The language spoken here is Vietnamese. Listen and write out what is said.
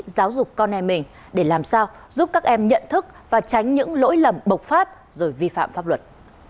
giáo dục con em mình để làm sao giúp các em nhận thức và tránh những lỗi lầm bộc phát rồi vi phạm pháp luật